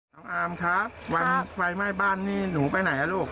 อามครับวันไฟไหม้บ้านนี่หนูไปไหนอ่ะลูก